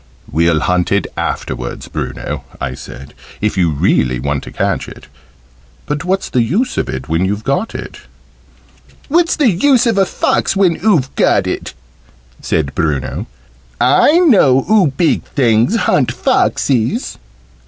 "We'll hunt it afterwards, Bruno," I said, "if you really want to catch it. But what's the use of it when you've got it?" "What's the use of a fox when oo've got it?" said Bruno. "I know oo big things hunt foxes."